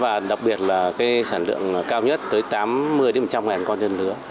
và đặc biệt là sản lượng cao nhất tới tám mươi một trăm linh con nhân dân nữa